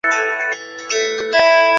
他的母亲则有意大利血统。